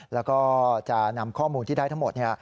แล้วก็จะนำข้อมูลที่ได้ทั้งหมด